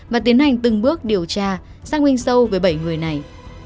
và tiến hành từng bước điều tra xác minh sâu với bảy người này